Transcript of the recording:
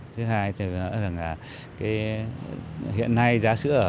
thứ hai là hiện nay giá sữa ở